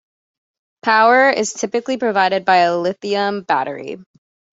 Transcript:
Power is typically provided by a lithium battery.